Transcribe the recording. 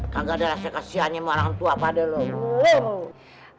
gak ada rasa kesiannya sama orang tua pade loh